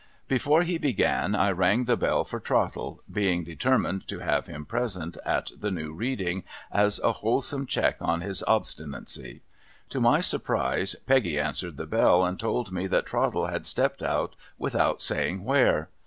Before he began, I rang the bell for Trottle ; being determined to have him present at the new reading, as a wholesome check on his obstinacy. To my surprise Peggy answered the bell, and told me that Trottle had stepped out without saying where.